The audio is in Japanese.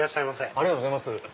ありがとうございます。